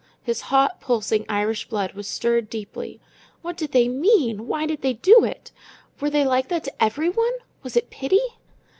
His hot, pulsing Irish blood was stirred deeply. What did they mean? Why did they do it? Were they like that to everyone? Was it pity?